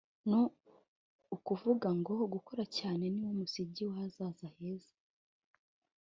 ni ukuvuga ngo gukora cyane niwo musingi w’ahazaza heza